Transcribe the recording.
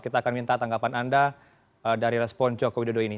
kita akan minta tanggapan anda dari respon joko widodo ini